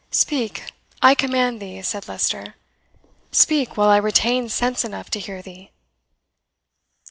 "Speak, I command thee," said Leicester "speak, while I retain sense enough to hear thee."